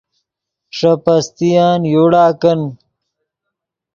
ݰے پستین یوڑا کن